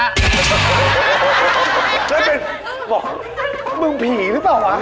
แล้วไปบอกมึงผีหรือเปล่าวะ